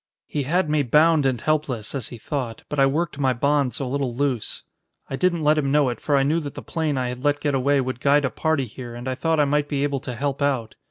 "He had me bound and helpless, as he thought, but I worked my bonds a little loose. I didn't let him know it, for I knew that the plane I had let get away would guide a party here and I thought I might be able to help out.